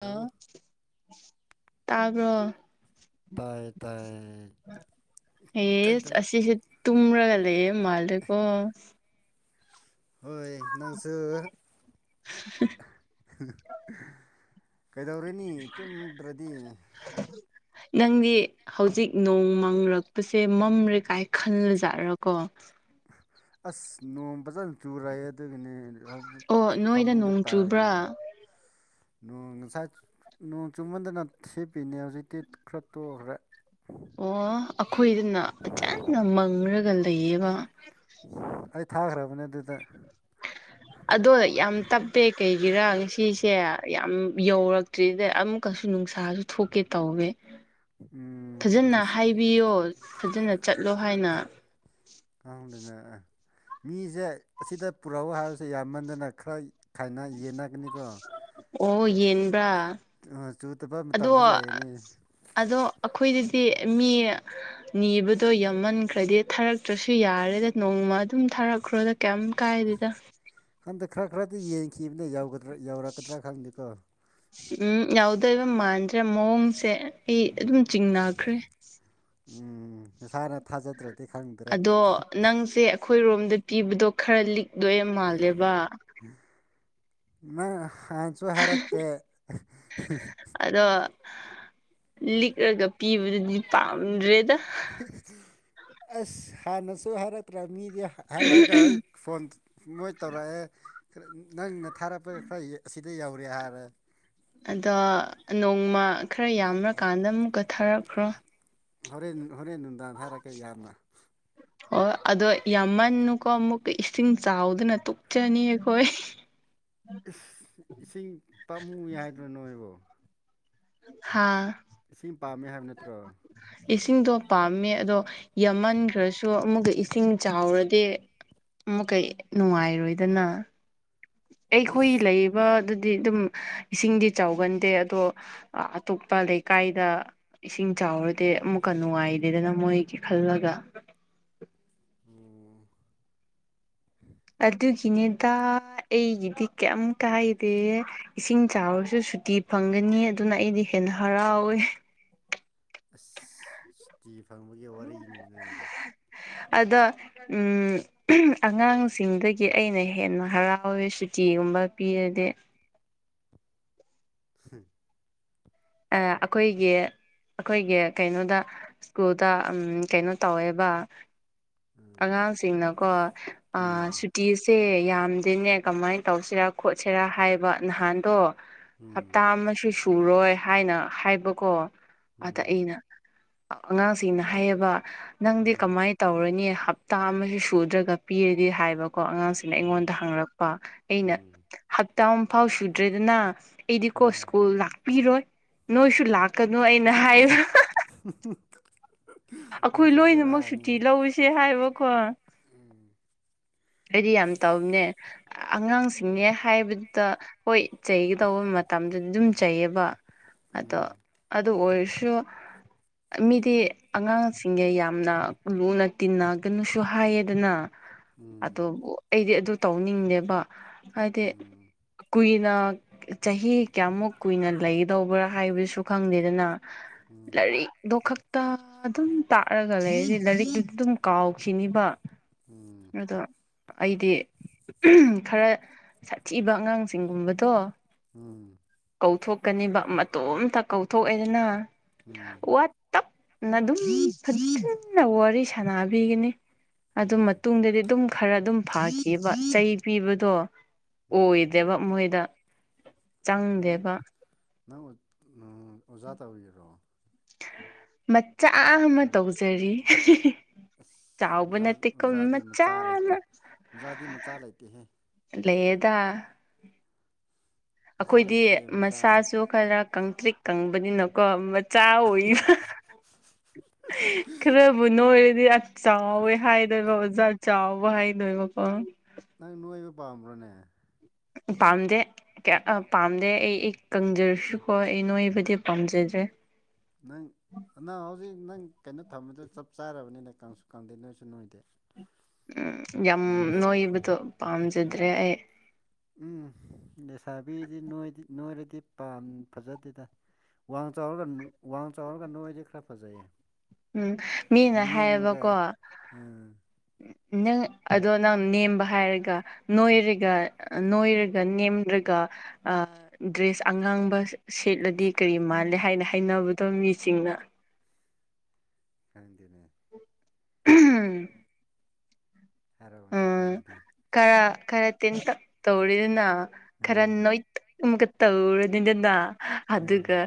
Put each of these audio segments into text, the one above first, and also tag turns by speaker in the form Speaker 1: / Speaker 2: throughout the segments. Speaker 1: ꯑ
Speaker 2: ꯑꯣ
Speaker 1: ꯇꯕ
Speaker 2: ꯇꯥꯏꯌꯦꯦ ꯇꯥꯏꯌꯦ
Speaker 1: ꯍ ꯑꯁꯤꯁꯦ ꯇꯨ꯭ꯔꯥꯒ ꯂꯩꯦ ꯃꯥꯂꯀꯣ
Speaker 2: ꯍꯣꯏ ꯅꯪꯁꯨ ꯀꯩꯗꯧꯔꯅꯤ ꯇꯨꯝꯗ꯭ꯔꯗꯤ
Speaker 1: ꯅꯪꯗꯤ ꯍꯧꯖꯤꯛ ꯅꯣꯡ ꯃꯪꯔꯛꯄꯁꯦ ꯃꯝꯔꯦ ꯀꯥꯏ ꯈꯜꯂꯖꯥꯠꯔꯀꯣ
Speaker 2: ꯑꯁ ꯅꯣꯡꯃꯄꯖ ꯊ ꯔꯌꯦꯠ ꯑꯗꯨꯅꯦ
Speaker 1: ꯑꯣ ꯅꯣꯏꯗ
Speaker 2: ꯐꯃꯨꯡꯗ
Speaker 1: ꯅꯣꯡ ꯆꯨꯕ꯭ꯔꯥ
Speaker 2: ꯇꯥꯔꯤꯅꯦ ꯣꯡ ꯉꯁꯥꯏ ꯅꯣꯡ ꯆꯨꯝꯃꯟꯗꯅ ꯁꯦꯞꯄꯤꯅꯦ ꯍꯧꯖꯤꯛꯇꯤ ꯈꯔ ꯇꯣꯛꯈ꯭ꯔꯦ
Speaker 1: ꯑꯣ ꯑꯩꯈꯣꯏꯗꯅ ꯐꯖꯅ ꯃꯪꯔꯒ ꯂꯩꯌꯦꯕ
Speaker 2: ꯑꯩ ꯊꯥꯈ꯭ꯔꯕꯅꯦ ꯑꯗꯨꯗ
Speaker 1: ꯑꯗꯣ ꯌꯥꯝ ꯇꯞꯦ ꯑꯩ ꯏꯔꯥꯡ ꯁꯤꯁꯦ ꯌꯥꯝ ꯌꯧꯔꯛꯇ꯭ꯔꯤꯗ ꯑꯃꯨꯛꯀꯁꯨ ꯅꯨꯡꯁꯥꯁꯨ ꯊꯣꯛꯀꯦ ꯇꯧꯋꯦ
Speaker 2: ꯎꯝ
Speaker 1: ꯐꯖꯅ
Speaker 2: ꯑꯁ
Speaker 1: ꯍꯥꯏꯕꯤꯌꯣ ꯐꯖꯅ ꯆꯠꯂꯣ ꯍꯥꯏꯅ
Speaker 2: ꯈꯪꯗꯅ ꯃꯤꯁꯦ ꯑꯁꯤꯗ ꯄꯨꯔꯛꯎ ꯍꯥꯏꯕꯁꯦ ꯌꯥꯝꯃꯟꯗꯅ ꯈꯔ ꯈꯥꯏꯅ ꯌꯦꯟꯅꯒꯅꯤꯀꯣ
Speaker 1: ꯑꯣ ꯌꯦꯟꯕ꯭ꯔꯥ
Speaker 2: ꯑ
Speaker 1: ꯑꯗꯣ ꯑꯗꯣ ꯑꯩꯈꯣꯏꯗꯤ ꯁꯤ ꯃꯤ ꯅꯤꯕꯗꯣ ꯌꯥꯝꯝꯃꯟꯈ꯭ꯔꯗꯤ ꯊꯥꯔꯛꯇ꯭ꯔꯁꯨ ꯌꯥꯔꯦꯗ ꯅꯣꯡꯃ ꯑꯗꯨꯝ ꯊꯥꯔꯛꯈ꯭ꯔꯣꯗ ꯀꯩꯝ ꯀꯥꯏꯗꯦꯗ
Speaker 2: ꯈꯪꯗꯦ ꯈꯔ ꯈꯔꯗꯤ ꯌꯦꯡꯈꯤꯕꯅꯒꯗ꯭ꯔꯥ ꯌꯧꯔꯛꯀꯗ꯭ꯔꯥ ꯈꯪꯗꯦꯀꯣ
Speaker 1: ꯎꯝ ꯌꯥꯎꯗꯣꯏꯕ ꯃꯥꯟꯗ꯭ꯔꯦ ꯃꯑꯣꯡꯁꯦ ꯑꯩ ꯑꯗꯨꯝ ꯆꯤꯡꯅꯈ꯭ꯔꯦ
Speaker 2: ꯎꯝ ꯁꯥꯔ
Speaker 1: ꯑꯗꯣ ꯅꯪꯁꯦ ꯑꯩꯈꯣꯏꯔꯣꯝꯗ ꯄꯤꯕꯗꯣ ꯈꯔ ꯂꯤꯛ ꯗꯌꯦ ꯃꯥꯜꯂꯦꯕ
Speaker 2: ꯅꯪ ꯑꯥꯟꯅꯁꯨ ꯍꯥꯏꯔꯛꯇꯦ
Speaker 1: ꯑꯗꯣ ꯂꯤꯛꯂꯒ ꯄꯤꯕꯗꯨꯗꯤ ꯄꯥꯝꯗ꯭ꯔꯦꯗ
Speaker 2: ꯑꯁ ꯍꯥꯥ ꯅꯁꯣ ꯍꯥꯏꯔꯠꯇ꯭ꯔꯥꯃꯤ ꯍꯥꯏꯔꯛꯑꯒ ꯑꯩ ꯐꯣꯟ ꯃꯣꯏ ꯇꯧꯔꯛꯑꯦ ꯅꯪꯅ ꯊꯥꯔꯛꯄ ꯈꯔ ꯑꯁꯤꯗ ꯌꯧꯔꯦ ꯍꯥꯏꯔꯦ
Speaker 1: ꯑꯗ ꯅꯣꯡꯃ ꯈꯔ ꯌꯥꯝ꯭ꯔꯀꯥꯟꯗ ꯑꯃꯨꯛꯀ ꯊꯥꯔꯛꯈ꯭ꯔꯣ
Speaker 2: ꯍꯣꯔꯦꯟ ꯍꯣꯔꯦꯟ ꯅꯨꯡꯗꯥꯡ ꯊꯥꯔꯛꯀꯦ ꯌꯥꯝꯅ
Speaker 1: ꯑꯣ ꯑꯗꯣ ꯌꯥꯝꯃꯟꯅꯨꯀꯣ ꯑꯃꯨꯛꯀ ꯏꯁꯤꯡ ꯆꯥꯎꯗꯅ ꯇꯣꯛꯨꯞꯆꯅꯤ ꯑꯩꯈꯣꯏ
Speaker 2: ꯏꯁ ꯏꯁꯤꯡ ꯇꯝꯃꯨꯏ ꯍꯥꯏꯗ꯭ꯔꯣ ꯅꯣꯏꯕꯣ
Speaker 1: ꯍꯥꯥ
Speaker 2: ꯁꯤꯝ
Speaker 1: ꯏꯁꯤꯡꯗꯣ ꯄꯥꯝꯃꯦ ꯑꯗꯣ ꯌꯥꯝꯃꯟꯈ꯭ꯔꯁꯨ ꯑꯃꯨꯛꯀ ꯏꯁꯤꯡ ꯆꯥꯎꯔꯗꯤ ꯑꯃꯨꯛꯀꯩ ꯅꯨꯡꯉꯥꯏꯔꯣꯏꯗꯅ ꯑꯩꯈꯣꯏ
Speaker 2: ꯑꯩꯁ
Speaker 1: ꯂꯩꯕ ꯗꯤ ꯑꯗꯨꯝ ꯏꯁꯤꯡꯗꯤ ꯆꯥꯎꯒꯟꯗꯦ ꯑꯗꯣ ꯑꯇꯣꯞꯄ ꯂꯩꯀꯥꯏꯗ ꯏꯁꯤꯡ ꯆ ꯆꯥꯎꯔꯗꯤꯦ ꯑꯃꯨꯛꯀ ꯅꯨꯡꯉꯥꯏꯗꯦꯗꯅ ꯃꯣꯏꯒꯤ ꯈꯜꯂꯒ
Speaker 2: ꯑꯣ [inaudible]
Speaker 1: ꯑꯗꯨꯒꯤꯅꯦꯗ ꯑꯩꯒꯤꯗꯤ ꯀꯩꯝ ꯀꯥꯏꯗꯦ ꯏꯁꯤꯡ ꯆꯥꯎꯔꯁꯨ ꯁꯨꯇꯤ ꯐꯪꯒꯅꯤ ꯑꯗꯨꯅ ꯑꯩꯗꯤ ꯍꯦꯟꯅ ꯍꯔꯥꯎꯋꯦ
Speaker 2: ꯑ ꯁꯇꯤꯐ
Speaker 1: ꯑꯗ ꯑꯉꯥꯡꯁꯤꯡꯗꯒꯤ ꯑꯩꯅ ꯍꯦꯟꯅ ꯍꯔꯥꯎꯋꯦ ꯁꯨꯇꯤꯒꯨꯝꯕ ꯕ ꯄꯤꯔꯗ
Speaker 2: ꯎꯝ
Speaker 1: ꯑ ꯑꯩꯈꯣꯏꯒꯤ ꯑꯩꯈꯣꯏꯒꯤ ꯀꯩꯅꯣꯗ ꯁ꯭ꯀꯨꯜꯗ ꯀꯩꯅꯣ ꯇꯧꯋꯦꯕ
Speaker 2: ꯎꯝ
Speaker 1: ꯑꯉꯥꯡꯁꯤꯡꯅꯀꯣ
Speaker 2: ꯎꯝ
Speaker 1: ꯁꯨꯇꯤꯁꯦ ꯌꯥꯝꯗ꯭ꯔꯤꯅꯦ ꯀꯃꯥꯏꯅ ꯇꯧꯁꯤꯔꯥ ꯈꯣꯠꯁꯤꯔꯥ ꯍꯥꯏꯕ ꯅꯍꯥꯟꯗꯣ ꯍꯞꯇꯥ
Speaker 2: ꯎꯝ
Speaker 1: ꯑꯃꯁꯨ ꯁꯨꯔꯣꯏ ꯍꯥꯏꯅ ꯍꯥꯏꯕꯀꯣ ꯑꯗ ꯑꯩꯅ
Speaker 2: ꯎꯝ
Speaker 1: ꯑꯉꯥꯡꯁꯤꯡꯅ ꯍꯥꯏꯌꯦꯕ ꯅꯪꯗꯤ ꯀꯃꯥꯏꯅ ꯇꯧꯔꯅꯤ ꯍꯞꯇꯥ ꯑꯃꯁꯨ ꯁꯨꯗ꯭ꯔꯒ ꯄꯤꯔꯗꯤ ꯍꯥꯏꯕ ꯀꯣ ꯑꯉꯥꯡꯁꯤꯅ
Speaker 2: ꯎꯝ
Speaker 1: ꯑꯩꯉꯣꯟꯗ
Speaker 2: ꯎꯝ
Speaker 1: ꯍꯥꯡꯉꯛꯄ ꯑꯩꯅ
Speaker 2: ꯎꯝ
Speaker 1: ꯍꯞꯇꯥ ꯑꯃꯨ ꯐꯥꯎ ꯁꯨꯗ꯭ꯔꯦꯗꯅ ꯑꯩꯗꯤꯀꯣ
Speaker 2: ꯎꯝ
Speaker 1: ꯁ꯭ꯀꯨꯜ ꯂꯥꯛꯄꯤꯔꯣꯏ ꯅꯣꯏꯁꯨ ꯂꯥꯛ ꯀꯩꯅꯣ ꯑꯩꯅ ꯍꯥꯏ ꯑꯩꯈꯣꯏ
Speaker 2: ꯅꯪꯁꯨ
Speaker 1: ꯂꯣꯏꯅꯃꯛ ꯁꯨꯇꯤ
Speaker 2: ꯕꯦꯔꯥꯅꯤ
Speaker 1: ꯂꯧꯨꯁꯦ ꯍꯥꯏꯕꯀꯣ
Speaker 2: ꯎꯝ
Speaker 1: ꯑꯩꯗꯤ ꯌꯥꯝ
Speaker 2: ꯑꯁ
Speaker 1: ꯇꯧꯅꯦ ꯑꯉꯥꯡꯁ ꯆꯤꯡꯉꯦ ꯍꯥꯏꯕꯗꯨꯗ ꯍꯣꯏ ꯆꯩꯒꯗꯧꯕ ꯃꯇꯝꯗꯨꯗꯤ ꯑꯗꯨꯝ ꯆꯩꯌꯦꯕ ꯑꯗꯣ
Speaker 2: ꯎꯝ
Speaker 1: ꯑꯗꯨ ꯑꯣꯏꯔꯁꯨ ꯃꯤꯗꯤ ꯑꯉꯥꯡꯁꯤꯡꯒ ꯌꯥꯝꯅ ꯂꯨꯅ ꯇꯤꯟꯅꯒꯅꯨꯁꯨ ꯍꯥꯏꯌꯦꯗꯅ
Speaker 2: ꯎꯝ
Speaker 1: ꯑꯗꯨꯕꯨ ꯑꯩꯗꯤ ꯑꯗꯨ ꯇꯧꯅꯤꯡꯅꯦꯕ ꯍꯥꯏꯗꯤ
Speaker 2: ꯎꯝ
Speaker 1: ꯀꯨꯏ ꯅ ꯆꯍꯤ ꯀꯌꯥꯃꯨꯛ ꯀꯨꯏꯅ ꯂꯩꯒꯗꯧꯕ꯭ꯔꯥ ꯍꯥꯏꯕꯗꯨꯁꯨ ꯈꯪꯗꯦꯗꯅ
Speaker 2: ꯎꯝ
Speaker 1: ꯂꯔꯤ ꯗꯨ ꯈꯛꯇ ꯑꯗꯨꯝ ꯇꯥꯛꯑꯒ ꯂꯩꯁꯦ ꯂꯥꯏꯔꯤꯛꯇꯨꯗ ꯑꯗꯨꯝ ꯀꯥꯎꯈꯤꯅꯤꯕ
Speaker 2: ꯎꯝ
Speaker 1: ꯑꯗꯣ ꯑꯩꯗꯤ ꯈꯔ ꯁꯥꯊꯤꯕ ꯑꯉꯥꯡꯁꯤꯡꯒꯨꯝꯕꯗꯣ
Speaker 2: ꯎꯝ
Speaker 1: ꯀꯧꯊꯣꯛꯀꯅꯤꯕ ꯃꯇꯣꯝꯇ ꯀꯧꯊꯣꯛꯑꯦꯗꯅ
Speaker 2: ꯎꯝ
Speaker 1: ꯋꯥ ꯇꯞ ꯅ ꯑꯗꯨꯝ ꯐꯖꯟꯅ ꯋꯥꯔꯤ ꯁꯥꯟꯅꯕꯤꯒꯅꯤ ꯑꯗꯨ
Speaker 2: ꯎꯝ
Speaker 1: ꯃꯇꯨꯡꯗꯗꯤ ꯑꯗꯨꯝ ꯈꯔ ꯑꯗꯨꯝ ꯐꯥꯈꯤꯕꯈꯤꯕ ꯆꯩ ꯄꯤꯕꯗꯣ
Speaker 2: ꯎꯝ
Speaker 1: ꯑꯣꯏꯗꯦꯕ ꯃꯣꯏꯗ
Speaker 2: ꯅꯪ
Speaker 1: ꯆꯪꯗꯦꯕ
Speaker 2: ꯅꯪ ꯑꯣꯖꯥ ꯇꯧꯔꯤꯔꯣ
Speaker 1: ꯃꯆꯥ ꯑꯃ ꯇꯧꯖꯔꯤ
Speaker 2: ꯑꯁ
Speaker 1: ꯆꯥꯎꯕ
Speaker 2: ꯑꯣꯖꯥ
Speaker 1: ꯅꯠꯇꯦꯀꯣ
Speaker 2: ꯑꯣꯖꯥꯗꯤ ꯃꯆꯥ ꯂꯩꯇꯦ
Speaker 1: ꯑꯃ
Speaker 2: ꯑꯣꯖꯥꯗꯤ ꯃꯆꯥ ꯂꯩꯇꯦꯍꯦ
Speaker 1: ꯂꯩꯗꯥ
Speaker 2: ꯃꯆꯥ
Speaker 1: ꯑꯩꯈꯣꯏꯗꯤ
Speaker 2: ꯂꯩꯇꯦ ꯃꯆꯥꯅ
Speaker 1: ꯃꯁꯥꯁꯨ ꯈꯔ ꯀꯪꯇ꯭ꯔꯤꯛ ꯀꯪꯕꯅꯤꯅꯀꯣ ꯆꯥꯔ ꯈꯔꯕꯨ ꯅꯣꯏꯔ ꯗꯤ ꯆꯥꯎꯋꯦ ꯍꯥꯏꯗꯣꯏꯕ ꯑꯣꯖꯥ ꯆꯥꯎꯕ ꯍꯥꯏꯗꯣꯏꯕꯀꯣ
Speaker 2: ꯅꯪ ꯅꯣꯡꯉꯕ ꯄꯥꯝꯕ꯭ꯔꯣꯅꯦ
Speaker 1: ꯄꯥꯝꯗꯦ ꯄꯥꯝꯗꯦ ꯑꯩ ꯑꯩ ꯀꯪꯖꯔꯁꯨꯀꯣ ꯑꯩ ꯅꯣꯏꯕꯨꯗꯤ ꯄꯥꯝꯖꯗ ꯦ [unintelligible]
Speaker 2: ꯅꯪ ꯅꯪ ꯍꯧꯖꯤꯛ ꯅꯪ ꯀꯩꯅꯣ ꯊꯝꯕꯗꯨ ꯆꯞ ꯆꯥꯔꯕꯅꯤꯅ ꯀꯪꯁꯨ ꯀꯪꯗꯦ ꯅꯣꯏꯁꯨ ꯅꯣꯏꯗꯦ
Speaker 1: ꯎꯝ ꯌꯥꯝ
Speaker 2: ꯅꯪ
Speaker 1: ꯅꯣꯏꯕꯗꯣ ꯄꯥꯝꯖꯗ꯭ꯔꯦ ꯑꯩ
Speaker 2: ꯎꯝ ꯂꯩꯁꯥꯕꯤꯗꯤꯗꯤ ꯅꯣꯏꯔꯗꯤ ꯄꯥꯝ ꯐꯖꯗꯦꯗ ꯋꯥꯡꯅ ꯆꯥꯎꯔꯒ ꯋꯥꯅ ꯆꯥꯎꯔꯒꯅꯨ ꯑꯩꯁꯦ ꯈꯔ ꯐꯖꯩꯑꯌꯦ
Speaker 1: ꯎꯝ ꯃꯤꯅ ꯍꯥꯏꯌꯦꯕꯀꯣ
Speaker 2: ꯎꯝ
Speaker 1: ꯅꯪ ꯑꯗꯣ ꯅꯪ ꯅꯦꯝꯕ ꯍꯥꯏꯔꯒ ꯅꯣꯏꯔꯒ ꯅꯣꯏꯔꯒ ꯅꯦꯝꯗ꯭ꯔꯒ ꯑ ꯗ꯭ꯔꯦꯁ ꯑꯉꯥꯡꯕ ꯁꯦꯠꯂꯗꯤ ꯀꯔꯤ ꯃꯥꯜꯂꯦ ꯍꯥꯏꯅ ꯍꯥꯏꯅꯕꯗꯣ ꯃꯤꯁꯤꯡꯅ
Speaker 2: ꯀꯗꯅꯦ
Speaker 1: ꯎꯝ
Speaker 2: ꯍꯥꯏꯔꯥꯎ ꯃꯅꯦ
Speaker 1: ꯎꯝ
Speaker 2: ꯈꯪꯉꯗꯤ
Speaker 1: ꯈꯔ ꯈꯔ ꯇꯦꯟꯇꯛ ꯇꯧꯔꯤꯗꯅ ꯈꯔ
Speaker 2: ꯎꯝ
Speaker 1: ꯅꯣꯏ ꯑꯃꯨꯛꯀ ꯇꯧꯔꯅꯤꯗꯅ ꯑꯗꯨꯒ
Speaker 2: ꯎꯝ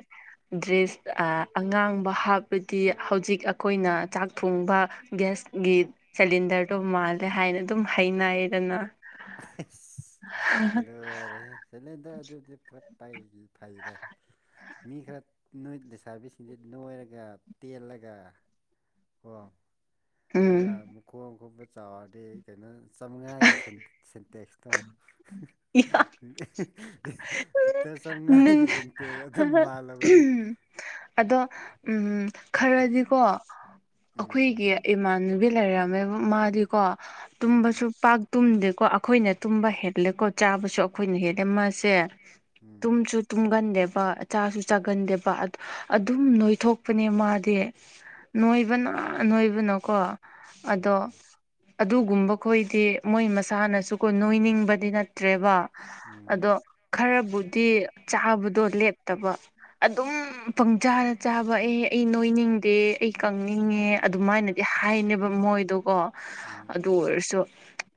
Speaker 1: ꯗ꯭ꯔꯦꯁ ꯑꯉꯥꯡꯕ ꯍꯥꯞꯄꯗꯤ ꯍꯧꯖꯤꯛ ꯑꯩꯈꯣꯏꯅ ꯆꯥꯛ ꯊꯣꯡꯕ ꯒ꯭ꯌꯥꯁ ꯒꯤ ꯁꯤꯂꯤꯟꯗꯔꯗꯣ ꯃꯥꯜꯂꯦ ꯍꯥꯏꯅ ꯑꯗꯨꯝ ꯍꯩꯅꯩꯗꯅ
Speaker 2: ꯗꯣꯏꯔꯦ ꯆꯂꯗ ꯑꯗꯨ ꯄꯥꯏꯒꯤ ꯐꯥꯏꯗ ꯃꯤ ꯈꯔ ꯅꯣꯏ ꯂꯩꯁꯥꯕꯤꯁꯤꯡꯁꯤ ꯅꯣꯏꯔꯒ ꯇꯦꯜꯂꯒ ꯀꯣ
Speaker 1: ꯎꯝ
Speaker 2: ꯑꯗꯨꯒ ꯃꯈꯨꯣꯡ ꯈꯣꯠꯄ ꯆꯥꯎꯔꯗꯤ ꯀꯩꯅꯣ ꯆꯥꯃꯉꯥꯒꯤ ꯁꯤꯟ ꯟ ꯇꯦꯁꯇꯣ
Speaker 1: ꯪ
Speaker 2: ꯃꯥꯜꯂꯕꯅꯦ
Speaker 1: ꯑꯗꯣ ꯎꯝ ꯈꯔꯗꯤꯀꯣ
Speaker 2: ꯎꯝ
Speaker 1: ꯑꯩꯈꯣꯏꯒꯤ ꯏꯃꯥꯟꯅꯕꯤ ꯂꯩꯔꯝꯃꯦꯕ ꯃꯥꯗꯤ ꯀꯣ
Speaker 2: ꯎꯝ
Speaker 1: ꯇꯨꯝꯕꯁꯨ ꯄꯥꯛ ꯇꯨꯝꯗꯦꯀꯣ ꯑꯩꯈꯣꯏꯅ ꯇꯨꯝꯕ ꯍꯦꯜꯂꯦꯀꯣ ꯆꯥꯕꯁꯨ ꯑꯩꯈꯣꯏꯅ ꯍꯦꯜꯂꯦ ꯃꯥꯁꯦ
Speaker 2: ꯎꯝ
Speaker 1: ꯇꯨꯝꯁꯨ ꯇꯨꯝꯒꯟꯗꯦꯕꯆꯥꯥꯁꯨ ꯆꯥꯒꯟꯗꯦꯕ ꯑꯗꯨꯝ ꯅꯣꯏꯊꯣꯛꯄꯅꯦ ꯃꯥꯗꯤ ꯅꯣꯏꯕꯅ ꯅꯣꯏꯕꯅꯣꯀꯣ ꯑꯗꯣ ꯑꯗꯨꯒꯨꯝꯕ ꯈꯣꯏꯗꯤ ꯃꯣꯏ ꯃꯁꯥꯅꯁꯨꯀꯣ ꯅꯣꯏꯅꯤꯡꯕꯗꯤ ꯅꯠꯇ꯭ꯔꯦꯕ ꯑꯗꯣ
Speaker 2: ꯎꯝ
Speaker 1: ꯈꯔꯕꯨ ꯆꯥꯕꯗꯣ ꯂꯦꯠꯇꯕ ꯑꯗꯨꯝ ꯄꯪꯆꯥꯥꯔ ꯆꯥꯕ ꯑꯦ ꯑꯩ ꯅꯣꯏꯅꯤꯡ ꯈꯪꯗꯦ ꯑꯩ ꯀꯪꯅꯤꯡꯉꯦ ꯑꯗꯨꯃꯥꯏꯅꯗꯤ ꯍꯥꯏꯅꯦꯕ ꯃꯣꯏꯗꯣꯀꯣ
Speaker 2: ꯎꯝ
Speaker 1: ꯑꯗꯨ ꯑꯣꯏꯔꯁꯨ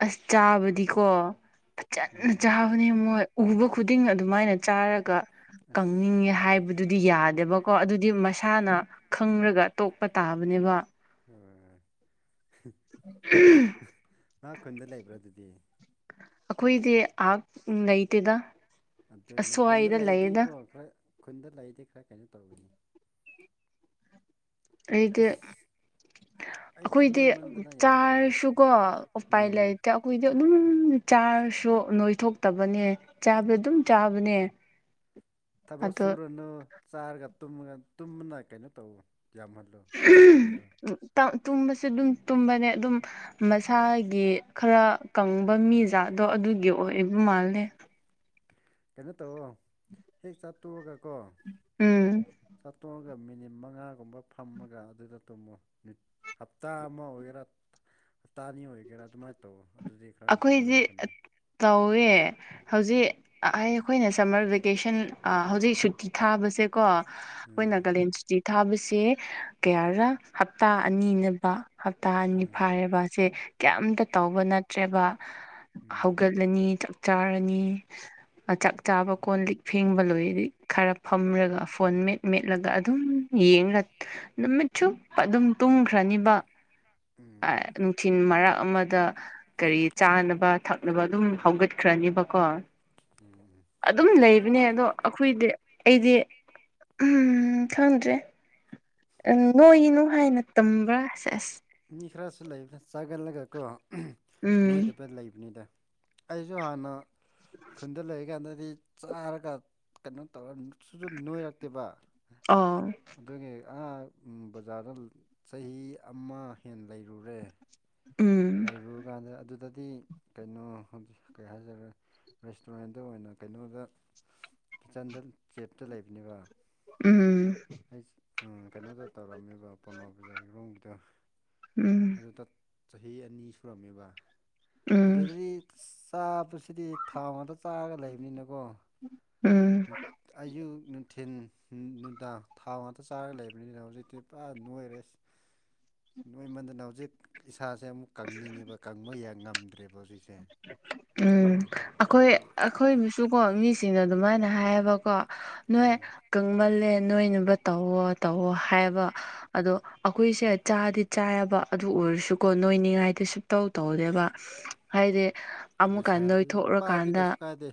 Speaker 1: ꯑꯁ ꯆꯥꯕꯗꯤꯀꯣ ꯆꯟꯅ
Speaker 2: ꯎꯝ
Speaker 1: ꯆꯥꯕꯅꯦ ꯃꯣꯏ ꯎꯕ ꯈꯨꯗꯤꯡ ꯑꯗꯨꯃꯥꯏꯅ ꯆꯥꯔꯒ
Speaker 2: ꯑꯁ
Speaker 1: ꯀꯪꯅꯤꯡꯉꯦ ꯍꯥꯏꯕꯗꯤ ꯑꯗꯨꯗꯤ ꯌꯥꯗꯦꯕꯀꯣ ꯑꯗꯨꯗꯤ ꯃꯁꯥꯅ ꯈꯪꯔꯒ ꯇꯣꯛꯄ ꯇꯥꯕꯅꯦꯕ
Speaker 2: ꯍꯣꯏ
Speaker 1: [inaudible]
Speaker 2: ꯉ ꯈꯨꯟꯗ ꯂꯩꯕ꯭ꯔꯥ ꯑꯗꯨꯗꯤ
Speaker 1: ꯑꯩꯈꯣꯏꯗꯤ ꯑꯥꯛ ꯂꯩꯇꯦꯗ
Speaker 2: ꯑꯗꯨ ꯑꯗꯨ ꯏꯅꯦ ꯈꯨꯗ
Speaker 1: ꯑꯁ꯭ꯋꯥꯏꯗ ꯂꯩꯌꯦꯗ
Speaker 2: ꯂꯥꯏꯇꯀꯣꯈ ꯈꯨꯟꯗ ꯂꯩꯗꯤꯦ ꯈꯔ ꯀꯩꯅꯣ ꯇꯧꯒꯅꯤ
Speaker 1: ꯑꯩꯒꯤ
Speaker 2: ꯑꯩꯁ ꯑꯩꯁꯨ
Speaker 1: ꯑꯩꯈꯣꯏꯗꯤ
Speaker 2: ꯅꯣꯏꯃꯟꯗꯅ ꯌꯥꯗ꯭ꯔꯦꯅꯦ
Speaker 1: ꯆꯥꯔꯁꯨꯀꯣ ꯎꯄꯥꯏ
Speaker 2: ꯎꯝ
Speaker 1: ꯂꯩꯇꯦ ꯑꯩꯈꯣꯏꯗꯤ ꯑꯗꯨꯝ ꯆꯥꯔꯁꯨ ꯅꯣꯏꯊꯣꯛꯇꯕꯅꯦ ꯆꯥꯕꯗ ꯑꯗꯨꯝ ꯆꯥꯕꯅꯦ
Speaker 2: ꯊꯕꯛ
Speaker 1: ꯑꯗꯣ
Speaker 2: ꯁꯨꯔꯅꯨ ꯆꯥꯔꯒ ꯇꯃꯒ ꯇꯨꯝꯕꯅ ꯀꯩꯅꯣ ꯇꯧ ꯌꯥꯝꯍꯜꯂꯨ ꯃꯇꯝꯗ
Speaker 1: ꯇꯨꯝꯕꯁꯦ ꯑꯗꯨꯝ ꯇꯨꯝꯕꯅꯦ ꯑꯗꯨꯝ ꯃꯁꯥꯒꯤ ꯈꯔ ꯀꯪꯕ ꯃꯤꯖꯥꯠ ꯑꯗꯣ ꯑꯗꯨꯒꯤ ꯑꯣꯏ ꯑꯩꯕ ꯃꯥꯜꯂꯦ
Speaker 2: ꯀꯩꯅꯣ ꯇꯧꯔꯣ ꯍꯦꯛ ꯆꯥꯠꯇꯣꯛꯑꯒ ꯀꯣ
Speaker 1: ꯎꯝ
Speaker 2: ꯆꯥꯠꯇꯣꯡꯉꯒ ꯑꯗꯨꯒ ꯃꯤꯅꯤꯠ ꯃꯉꯥꯒꯨꯝꯕ ꯐꯝꯃꯒ ꯑꯗꯨꯗ ꯇꯨꯝꯃꯨ ꯍꯞꯇꯥ ꯑꯃ ꯑꯣꯏꯒꯦꯔꯥ ꯇꯥꯅꯤ ꯑꯣꯏꯒꯦꯔ ꯑꯗꯨꯃꯥꯏꯠꯇꯧ
Speaker 1: ꯑꯩꯈꯣꯏꯁꯦ ꯇꯧꯋꯦ ꯍꯧꯖꯤꯛ ꯑꯩꯈꯣꯏꯅ ꯁꯝꯃꯔ ꯚꯦꯀꯦꯁꯟ ꯍꯧꯖꯤꯛ ꯁꯨꯇꯤ ꯊꯥꯕꯁꯦꯀꯣ ꯑꯩꯈꯣꯏ
Speaker 2: ꯎꯝ
Speaker 1: ꯅꯥꯒꯥꯂꯦꯟ ꯁꯨꯇꯤ ꯊꯥꯕꯁꯦ ꯀꯌꯥꯔ ꯍꯞꯇꯥ ꯑꯅꯤꯅꯕ ꯍꯞꯇꯥ ꯑꯅꯤ
Speaker 2: ꯎꯝ
Speaker 1: ꯐꯥꯦꯕꯁꯦ ꯀꯌꯥꯝꯇ ꯇꯧꯕ ꯅꯠꯇ꯭ꯔꯦꯕ
Speaker 2: ꯎꯝ
Speaker 1: ꯍꯧꯒꯠꯂꯅꯤ ꯆꯥꯛ ꯆꯥꯔꯅꯤ ꯆꯥꯛ ꯆꯥꯕ ꯀꯣꯟ ꯂꯤꯛ ꯐꯦꯡꯕ ꯂꯣꯏ ꯈꯔ ꯐꯝꯔꯒ ꯐꯣꯟ ꯃꯦꯠ ꯃꯦꯠꯂꯒ ꯑꯗꯨꯝ ꯌꯦꯒ ꯅꯨꯃꯤꯠ ꯆꯨꯞ ꯑꯗꯨꯝ ꯇꯨꯝꯈ꯭ꯔꯅꯤꯕ
Speaker 2: ꯎꯝ
Speaker 1: ꯅꯨꯡꯊꯤꯜ ꯃꯔꯛ ꯑꯃꯗ ꯀꯔꯤ ꯆꯥꯅꯕ ꯊꯛꯅꯕ ꯑꯗꯨꯝ ꯍꯧꯒꯠꯈ꯭ꯔꯅꯦꯕꯀꯣ ꯑꯗꯨꯝ ꯂꯩ ꯅꯦ ꯑꯗꯣ ꯑꯩꯈꯣꯏꯗꯤ ꯑꯩꯗꯤ ꯎ ꯈꯪꯗ꯭ꯔꯦ ꯎ ꯅꯣꯏꯅꯨ ꯍꯥꯏꯅ ꯇꯝꯕ꯭ꯔꯁ ꯑꯁ
Speaker 2: ꯃꯤꯅꯤ ꯈꯔꯁꯨ ꯂꯩꯕ ꯆꯥꯒꯜꯂꯒꯀꯣ
Speaker 1: ꯎꯝ
Speaker 2: ꯅꯣꯏꯗ ꯄ ꯂꯩꯕꯅꯤꯗ ꯑꯩꯁꯨ ꯍꯥꯟꯅ ꯈꯨꯟꯗ ꯂꯩꯔꯤꯀꯥꯟꯗꯗꯤ ꯆꯥꯔꯒ ꯀꯩꯅꯣ ꯇꯧꯔ ꯁꯨꯁꯨ ꯅꯣꯏꯔꯛꯇꯦꯕ
Speaker 1: ꯑꯣ
Speaker 2: ꯑꯗꯨꯒꯤ ꯎ ꯕꯖꯥꯔꯗ ꯆꯍꯤ ꯑꯃ ꯍꯦ ꯂꯩꯔꯨꯔꯦ
Speaker 1: ꯎꯝ
Speaker 2: ꯂꯩꯔꯨꯔꯀꯥꯟꯗ ꯑꯗꯨꯗ ꯗꯤ ꯀꯩꯅꯣ ꯍꯧꯛ ꯀꯩ ꯍꯥꯏꯖꯔꯦ ꯔꯦꯁꯇꯨꯔꯦꯟꯗ ꯑꯣꯏꯅ ꯀꯩꯅꯣꯗ ꯀꯤꯠꯆꯟꯗ ꯆꯦꯞꯇ ꯂꯩꯕꯅꯦꯕ
Speaker 1: ꯎꯝ
Speaker 2: ꯑꯩ ꯀꯩꯅꯣꯗ ꯇꯧꯔꯝꯃꯦꯕ ꯄꯣꯔꯃ ꯕꯖꯥꯔꯒꯤ ꯔꯣꯝꯒꯤꯗ
Speaker 1: ꯎꯝ
Speaker 2: ꯑꯗꯨ ꯆꯍꯤ ꯑꯅꯤ ꯁꯨꯔꯝꯃꯦꯕ
Speaker 1: ꯎꯝ
Speaker 2: ꯑꯗꯨꯗꯤ ꯆꯥ ꯁꯤꯗꯤ ꯊꯥ ꯉꯗ ꯆꯥꯔꯒ ꯂꯩꯕꯅꯤꯅꯀꯣ
Speaker 1: ꯎꯝ
Speaker 2: ꯑꯩꯁꯨ ꯅꯨꯡꯊꯤꯟ ꯅꯨꯡꯗꯥꯡ ꯊꯥꯎ ꯉꯥꯛꯇ ꯆꯥꯔꯒ ꯂꯩꯕꯅꯤꯅ ꯍꯧꯖꯤꯛꯇꯤ ꯄꯨꯔꯥ ꯅꯣꯏꯔꯦ ꯅꯣꯏꯃꯟꯗꯅ ꯍꯧꯖꯤꯛ ꯏꯁꯥꯁꯦ ꯑꯃꯨꯛ ꯀꯪꯅꯤꯡꯉꯤꯕ ꯀꯪꯕ ꯌꯥꯏ ꯉꯝꯗ꯭ꯔꯦꯕ ꯍꯧꯖꯤꯛꯁꯦ
Speaker 1: ꯎꯝ ꯑꯩꯈꯣꯏ
Speaker 2: ꯑꯗꯨꯒꯤ
Speaker 1: ꯑꯩꯈꯣꯏꯕꯨꯁꯨꯀꯣ ꯃꯤꯁꯤꯡꯅ ꯑꯗꯨꯃꯥꯏꯅ ꯍꯥꯏꯌꯦꯕꯀꯣ ꯅꯣꯏꯣꯏꯦ
Speaker 2: ꯎꯝ
Speaker 1: ꯀꯪꯃꯜꯦ ꯅꯣꯏꯅꯕ ꯇꯧꯋꯣ ꯇꯧꯋꯣ ꯍꯥꯏꯕ ꯑꯗꯣ ꯑꯩꯈꯣꯏꯁꯦ ꯆꯥꯗꯤ ꯆꯥꯏꯕ ꯑꯗꯨ ꯑꯣꯏꯔꯁꯨꯀꯣ ꯅꯣꯏꯅꯤꯡꯉꯥꯏꯗꯤ ꯁꯨꯇꯧ ꯇꯧꯗꯦꯕ ꯍꯥꯏꯗꯤ ꯑꯃꯨꯛꯀ
Speaker 2: ꯂꯩꯁꯥꯕꯤ ꯅꯨꯄꯥꯗꯤ ꯀꯩꯁꯨ
Speaker 1: ꯅꯣꯏꯊꯣꯛꯔꯀꯥꯟꯗ
Speaker 2: ꯀꯥꯏꯗꯦ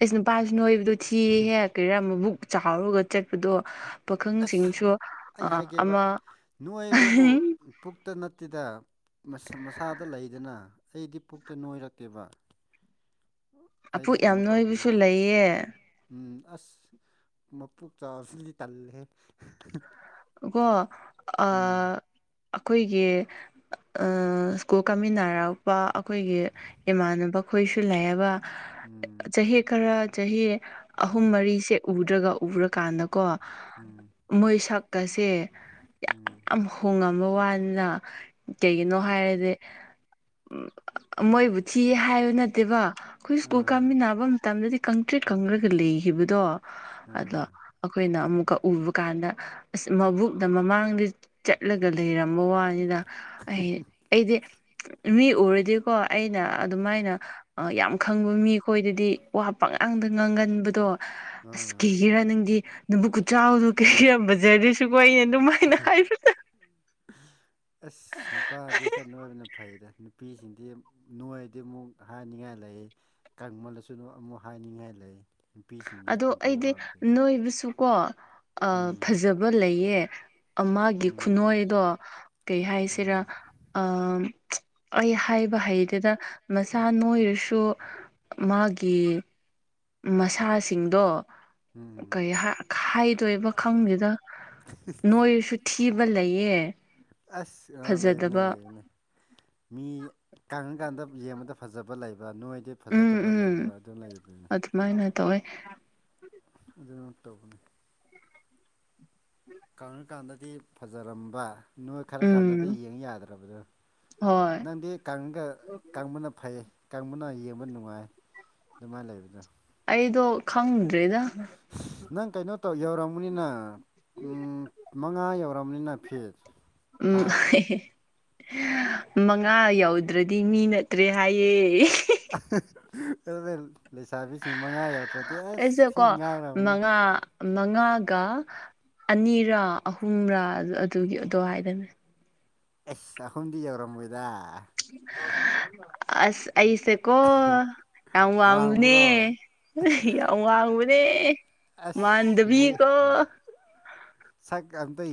Speaker 1: ꯑꯩꯁ ꯅꯨꯄꯥꯁꯨ ꯅꯣꯏꯕꯗꯣ ꯊꯤꯍꯦ ꯀꯔꯤꯔꯥ ꯃꯕꯨꯛ ꯆꯥꯎꯔꯒ ꯆꯠꯄꯗꯣ
Speaker 2: ꯑꯁ
Speaker 1: ꯄꯥꯈꯪꯁꯤꯡꯁꯨ
Speaker 2: ꯑꯩ ꯍꯥꯏꯒꯦꯕ
Speaker 1: ꯑꯃ
Speaker 2: ꯇꯗ ꯃꯁꯥꯗ ꯂꯩꯗꯅ ꯑꯩꯗꯤ ꯄꯨꯛꯇ ꯅꯣꯏꯔꯛꯀꯦꯕ
Speaker 1: ꯑꯄꯨꯛ ꯌꯥꯝ ꯅꯣꯏꯕꯁꯨ ꯂꯩꯌꯦ
Speaker 2: ꯎꯝ ꯑꯁ ꯃꯄꯣꯛ ꯆꯥꯁꯨꯗꯤ ꯇꯜꯂꯦ
Speaker 1: ꯑꯣꯣ
Speaker 2: ꯎꯝ
Speaker 1: ꯑꯩꯈꯣꯏꯒꯤ ꯁ꯭ꯀꯨꯜ ꯀꯥꯃꯤꯟꯅꯔꯛꯄ ꯑꯩꯈꯣꯏꯒꯤ ꯏꯃꯥꯟꯅꯕ ꯑꯩꯈꯣꯏꯁꯨ ꯂꯩꯥꯏꯑꯕ
Speaker 2: ꯎꯝ
Speaker 1: ꯆꯍꯤ ꯈꯔ ꯆꯍꯤ ꯑꯍꯨꯝ ꯃꯔꯤꯁꯦ ꯎꯗ꯭ꯔꯒ ꯎꯔꯀꯥꯟꯗꯀꯣ
Speaker 2: ꯎꯝ
Speaker 1: ꯃꯣꯏꯁꯛꯀꯁꯦ
Speaker 2: ꯎꯝ
Speaker 1: ꯌꯥꯝ ꯍꯣꯡꯉꯝ ꯅꯝꯕ ꯋꯥꯟꯅ ꯀꯩꯒꯤꯅꯣ ꯍꯥꯏꯔꯗꯤ ꯃꯣꯏꯕꯨ ꯊꯤꯌꯦ ꯍꯥꯏꯌꯨ ꯅꯠꯇꯦꯕ ꯑꯩꯈꯣꯏ ꯁ꯭ꯀꯨꯜ
Speaker 2: ꯑꯥ
Speaker 1: ꯀꯥꯃꯤꯟꯅꯕ ꯃꯇꯝꯗꯗꯤ ꯀꯪꯀ꯭ꯔꯦꯠ ꯀꯪ꯭ꯔꯒ ꯂꯩꯈꯤꯕꯗꯣ ꯑꯗꯣ
Speaker 2: ꯑꯥ
Speaker 1: ꯑꯩꯈꯣꯏꯅ ꯑꯃꯨꯛꯀ ꯎꯕ ꯀꯥꯟꯗ ꯑꯁ ꯃꯕꯨꯛꯅ ꯃꯃꯥꯡꯗ ꯆꯠꯂꯒ ꯂꯩꯔꯝꯕ ꯋꯥꯅꯤꯅ ꯑꯩ ꯑꯩꯗꯦ ꯃꯤ ꯎꯔꯗꯤꯀꯣ ꯑꯩꯅ ꯑꯗꯨꯃꯥꯏꯅ ꯌꯥꯝ ꯈꯪꯕ ꯃꯤꯈꯣꯏꯗꯗꯤ ꯋꯥꯄꯉ ꯇꯥꯡꯗ ꯉꯥꯡꯒꯟꯕꯗꯣ ꯑꯁ
Speaker 2: ꯑꯥ
Speaker 1: ꯀꯦꯒꯤꯔꯥ ꯅꯪꯗꯤ ꯅꯕꯨꯀꯆꯗꯣ ꯀꯩ ꯌꯥꯝ ꯖꯔ ꯁꯨꯒꯅꯦ ꯑꯗꯨꯃꯥꯏꯅ ꯍꯥꯏꯕꯗ
Speaker 2: ꯑꯁ ꯅꯨꯄꯥꯗꯤ ꯈꯔ ꯅꯣꯏꯕꯅ ꯐꯩꯗ ꯅꯨꯄꯤꯁꯤꯡ ꯍꯥꯏ ꯅꯣꯏꯗꯤ ꯑꯃꯨꯛ ꯍꯥꯏꯅꯤꯡꯉꯥꯏ ꯂꯩ ꯀꯕꯜꯗꯁꯨ ꯑꯃꯨꯛ ꯍꯥꯏꯅꯤꯡꯉꯥꯏ ꯂꯩ ꯅꯨꯄꯤꯁꯤꯡꯅꯤ
Speaker 1: ꯑꯗꯣ
Speaker 2: ꯀꯟꯇ꯭ꯔꯣꯜ
Speaker 1: ꯑꯩꯗꯤ
Speaker 2: ꯋꯥꯕꯁꯦ
Speaker 1: ꯅꯣꯏꯕꯨꯁꯨꯀꯣ
Speaker 2: ꯎꯝ
Speaker 1: ꯐꯖꯕ ꯂꯩꯌꯦ ꯃꯥꯒꯤ
Speaker 2: ꯎꯝ
Speaker 1: ꯈꯨꯅꯏꯗꯣ ꯀꯩ ꯍꯥꯏꯁꯤꯔꯥ
Speaker 2: ꯎꯝ
Speaker 1: ꯑ ꯑꯩ ꯍꯥꯏꯕ ꯍꯩꯗꯨꯅ ꯃꯁꯥ ꯅꯣꯏꯔꯁꯨ ꯃꯥꯒꯤ ꯃꯁꯥꯁꯤꯡꯗꯣ
Speaker 2: ꯎꯝ
Speaker 1: ꯀꯩ ꯍꯥꯏꯗꯣꯏꯕ ꯈꯪꯗꯦꯗ ꯅꯣꯏꯔꯁꯨ ꯊꯤ ꯀꯤꯕ ꯂꯩꯌꯦ
Speaker 2: ꯑꯁ ꯑ ꯂꯩꯕꯨꯅꯦ
Speaker 1: ꯐꯖꯗꯕ
Speaker 2: ꯂꯩꯔꯨꯅꯦ ꯃꯤ ꯀꯪꯉꯀꯥꯟꯗ ꯌꯦꯡꯕꯗ ꯐꯖꯕ ꯂꯩꯕ ꯑ ꯅꯣꯏꯗꯤ
Speaker 1: ꯎꯝ
Speaker 2: ꯐꯖꯗꯕ ꯂꯩꯕ꯭ꯔꯥ ꯑꯗꯨꯝ ꯂꯩꯗꯨꯅꯤ
Speaker 1: ꯇꯋ
Speaker 2: ꯑꯗꯨ ꯃꯍꯄꯅꯦ ꯀꯔ ꯀꯥꯟꯗꯗꯤ ꯐꯖꯔꯝꯕ ꯅꯣꯏ ꯈꯔ ꯀꯥꯟꯗꯗꯤ
Speaker 1: ꯎꯝ
Speaker 2: ꯌꯦꯡ ꯌꯥꯗ꯭ꯔꯕꯗꯣ
Speaker 1: ꯍꯣꯏ
Speaker 2: ꯅꯪꯗꯤꯒ ꯀꯥꯡꯪꯕꯅ ꯐꯩ ꯀꯪꯕꯅ ꯌꯦꯡꯕ ꯅꯨꯡꯉꯥꯏ ꯑꯗꯨꯃꯥꯏꯅ ꯂꯩꯕꯗꯣ
Speaker 1: ꯑꯩꯗꯣ ꯈꯪꯗ꯭ꯔꯦꯗ
Speaker 2: ꯅꯪ ꯀꯩꯅꯣ ꯇꯧ ꯌꯧꯔꯃꯅꯤꯅ ꯃꯉꯥ ꯌꯧꯔꯝ ꯀꯝꯅꯤꯅ ꯐꯦꯠ
Speaker 1: ꯎꯝ
Speaker 2: ꯍꯥꯏ
Speaker 1: ꯃꯉꯥ ꯌꯥꯎꯗ꯭ꯔꯗꯤ ꯃꯤ ꯅꯠꯇ꯭ꯔꯦ ꯍꯥꯏꯌꯦꯦ
Speaker 2: ꯑꯗꯨꯗ ꯂꯩꯁꯥꯕꯤꯁꯤꯡ ꯃꯉꯥ ꯌꯥꯎꯗ꯭ꯔꯗꯤ ꯑꯁ
Speaker 1: ꯑꯩꯁꯦ
Speaker 2: ꯊꯤ
Speaker 1: ꯀꯣ
Speaker 2: ꯉꯥꯏꯔꯕꯅꯦ
Speaker 1: ꯃꯉꯥ ꯃꯉꯥꯒ ꯑꯅꯤꯔꯥ ꯑꯍꯨꯝꯔꯥ ꯑꯗꯨꯒꯤ ꯑꯗꯨꯗꯣ ꯍꯥꯏꯗꯅꯦ
Speaker 2: ꯑꯦꯁ ꯍꯟ ꯌꯎꯔ ꯃꯣꯏꯗ
Speaker 1: ꯑꯁ ꯑꯩꯁꯦ ꯀꯣ ꯌꯥꯝ ꯋꯥꯡꯕꯅꯦ
Speaker 2: ꯋꯥꯡꯕ꯭ꯔꯣ
Speaker 1: ꯌꯥꯝ ꯋꯥꯡꯕꯅꯦ ꯃꯗꯕꯤ ꯀꯣ
Speaker 2: ꯁꯥꯏ ꯑꯇ